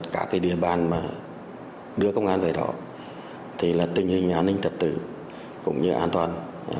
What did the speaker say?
các địa bàn mà đưa công an về đó thì là tình hình an ninh trật tự cũng như an toàn